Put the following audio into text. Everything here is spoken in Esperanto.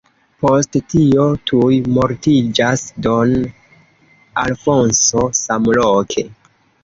Post tio tuj mortiĝas don Alfonso samloke.